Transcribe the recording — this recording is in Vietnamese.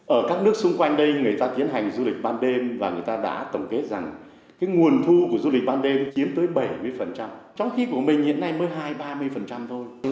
ở các nước xung quanh đây người ta tiến hành du lịch ban đêm và người ta đã tổng kết rằng cái nguồn thu của du lịch ban đêm chiếm tới bảy mươi trong khi của mình hiện nay mới hai ba mươi thôi